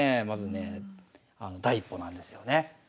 まずねえ第一歩なんですよね。